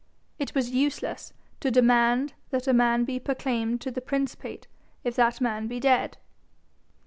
It was useless to demand that a man be proclaimed to the principate if that man be dead.